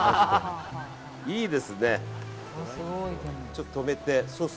いいですね。